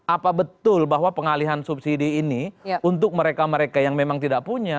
apa betul bahwa pengalihan subsidi ini untuk mereka mereka yang memang tidak punya